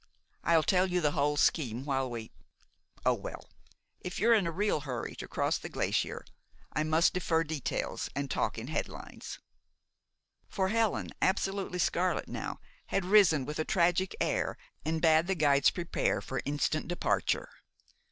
I'll tell you the whole scheme while we Oh, well, if you're in a real hurry to cross the glacier, I must defer details and talk in headlines." For Helen, absolutely scarlet now, had risen with a tragic air and bade the guides prepare for instant departure.